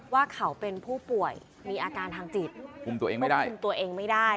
ว่าเขาเป็นผู้ป่วยมีอาการทางจิตควบคุมตัวเองไม่ได้